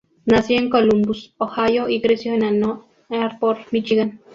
Nació en Columbus, Ohio y creció en Ann Arbor, Míchigan.